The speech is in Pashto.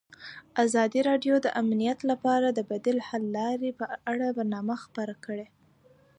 ازادي راډیو د امنیت لپاره د بدیل حل لارې په اړه برنامه خپاره کړې.